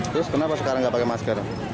terus kenapa sekarang nggak pakai masker